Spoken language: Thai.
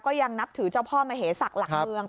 ยังนับถือเจ้าพ่อมเหศักดิ์หลักเมือง